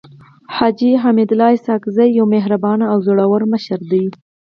حاجي حميدالله اسحق زی يو مهربانه او زړور مشر دی.